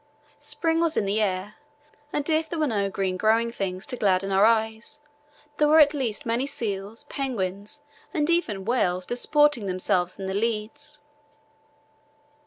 Spring was in the air, and if there were no green growing things to gladden our eyes, there were at least many seals, penguins, and even whales disporting themselves in the leads.